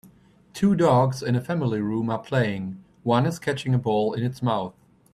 Two dogs in a family room are playing, one is catching a ball in its mouth.